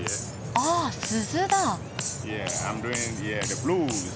ああ鈴だ！